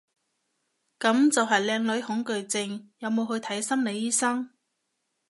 噉就係靚女恐懼症，有冇去睇心理醫生？